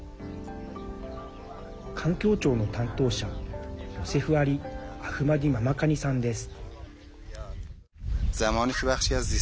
環境庁の担当者、ヨセフアリ・アフマディママカニさんです。